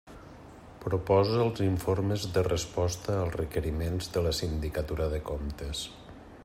Proposa els informes de resposta als requeriments de la Sindicatura de Comptes.